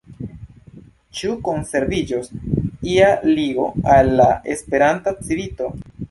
Ĉu konserviĝos ia ligo al la Esperanta Civito?